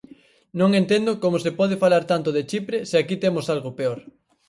Non entendo como se pode falar tanto de Chipre se aquí temos algo peor.